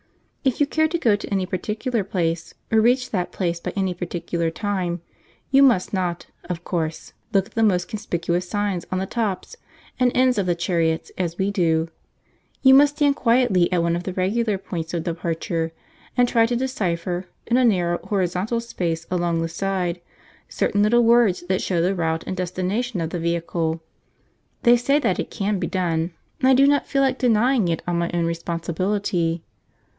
If you care to go to any particular place, or reach that place by any particular time, you must not, of course, look at the most conspicuous signs on the tops and ends of the chariots as we do; you must stand quietly at one of the regular points of departure and try to decipher, in a narrow horizontal space along the side, certain little words that show the route and destination of the vehicle. They say that it can be done, and I do not feel like denying it on my own responsibility.